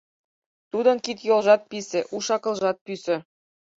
Тудын кид-йолжат писе, уш-акылжат пӱсӧ...